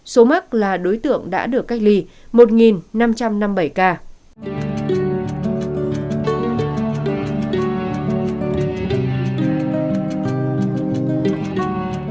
số mắc là đối tượng đã được cách ly một năm trăm năm mươi bảy ca